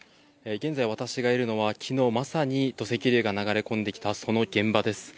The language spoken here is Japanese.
現在、私がいるのはきのう、まさに土石流が流れ込んできた、その現場です。